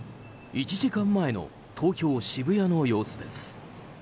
１時間前の東京・渋谷の様子です。